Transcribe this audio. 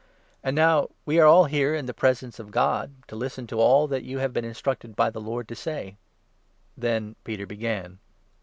And now we are all here in the presence of God, to listen to all that you have been instructed by the Lord to say." Then Peter began.